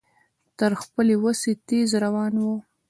تر خپلې وسې تېز روان و.